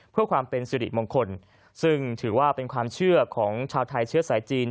เพื่อความเป็นสิริมงคลซึ่งถือว่าเป็นความเชื่อของชาวไทยเชื้อสายจีน